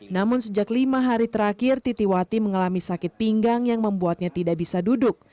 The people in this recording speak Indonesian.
namun sejak lima hari terakhir titiwati mengalami sakit pinggang yang membuatnya tidak bisa duduk